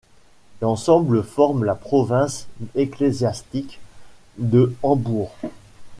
L'ensemble forme la province ecclésiastique de Hambourg.